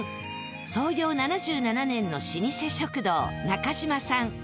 創業７７年の老舗食堂なかじまさん。